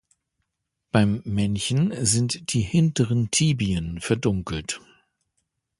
Beim Männchen sind die hinteren Tibien verdunkelt.